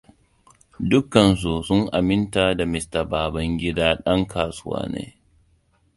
Dukkansu sun aminta da Mista Babangida ɗan kasuwa ne.